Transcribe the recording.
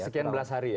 sekian belas hari ya